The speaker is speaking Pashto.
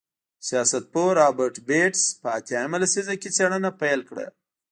سیاستپوه رابرټ بېټس په اتیا مه لسیزه کې څېړنه پیل کړه.